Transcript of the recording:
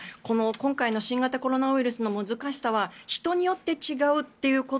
今回の新型コロナウイルスの難しさはは人によって違うこと。